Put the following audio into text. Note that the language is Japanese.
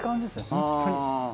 本当に。